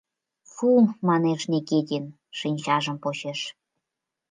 — Фу! — манеш Никитин, шинчажым почеш.